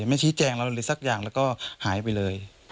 ไม่ชี้แจงอะไรเลยสักอย่างแล้วก็หายไปเลย